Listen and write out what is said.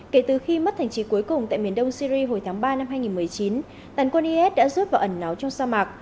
kể từ khi mất thành trí cuối cùng tại miền đông syri hồi tháng ba năm hai nghìn một mươi chín tàn quân is đã rút vào ẩn náu trong sa mạc